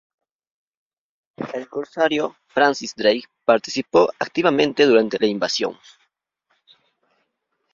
El corsario Francis Drake participó activamente durante la invasión.